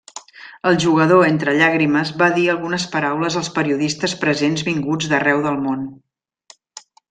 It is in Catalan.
El jugador entre llàgrimes va dir algunes paraules als periodistes presents vinguts d'arreu del món.